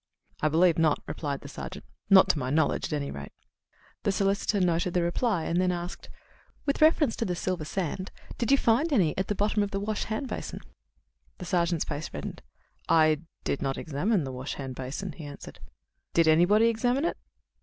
"I believe not," replied the sergeant. "Not to my knowledge, at any rate." The solicitor noted the reply, and then asked: "With reference to the silver sand, did you find any at the bottom of the wash hand basin?" The sergeant's face reddened. "I did not examine the wash hand basin," he answered. "Did anybody examine it?"